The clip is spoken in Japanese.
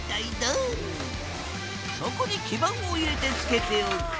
そこに基板を入れて浸けておく。